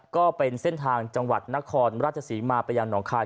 ก็เป็นเส้นทางจังหวัดนครราชศรีมาไปยังหนองคาย